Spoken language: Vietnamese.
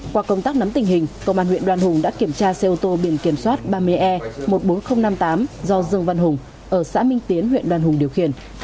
qua công tác nắm tình hình công an huyện đoan hùng đã kiểm tra xe ô tô biển kiểm soát ba mươi e một mươi bốn nghìn năm mươi tám do dương văn hùng ở xã minh tiến huyện đoàn hùng điều khiển